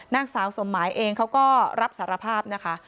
นางสาวสมหมายเองเขาก็รับสารภาพนะคะ